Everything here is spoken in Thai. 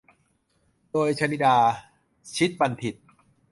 โดย ชนิดา ชิตบัณฑิตย์